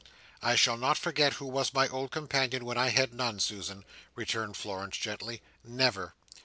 "I shall not forget who was my old companion when I had none, Susan," returned Florence, gently, "never!"